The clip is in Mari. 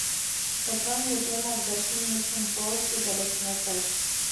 Сопром Епрем Овдачин мутшым колышто да лектынат кайыш.